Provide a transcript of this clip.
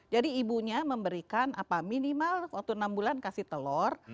jadi ibunya memberikan apa minimal waktu enam bulan dikasih telur